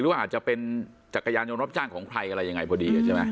ว่าอาจจะเป็นจักรยานยนต์รับจ้างของใครอะไรยังไงพอดีใช่ไหม